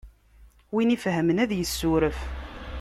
Win ifhmen ad yessuref.